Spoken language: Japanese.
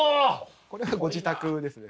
これはご自宅ですね。